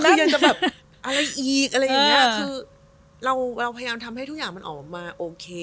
ยังจะแบบอะไรอีกอะไรอย่างเงี้ยคือเราเราพยายามทำให้ทุกอย่างมันออกมาโอเค